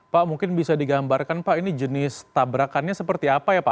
pak mungkin bisa digambarkan pak ini jenis tabrakannya seperti apa ya pak